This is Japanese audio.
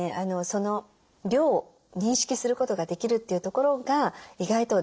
その量を認識することができるというところが意外と大事ですね。